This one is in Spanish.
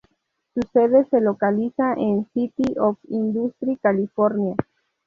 Su sede se localiza en City of Industry, California.